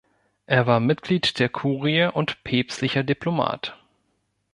Er war Mitglied der Kurie und päpstlicher Diplomat.